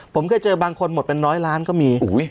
ผมเคยเจอบางคนหมดเป็นร้อยล้านก็มี